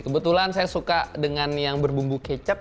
kebetulan saya suka dengan yang berbumbu kecap